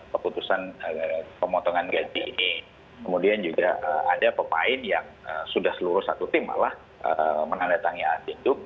keputusan pemotongan gaji ini kemudian juga ada pemain yang sudah seluruh satu tim malah menandatangani anti group